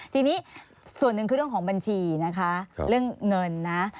ทีนี้ส่วนหนึ่งคือเรื่องของบัญชีนะคะเรื่องเงินนะ